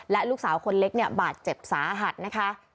และลูกสาวคนเล็กเนี่ยบาดเจ็บสาหัสนะคะ